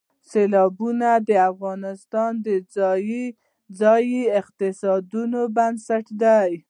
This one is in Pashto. سیلابونه د افغانستان د ځایي اقتصادونو بنسټ دی.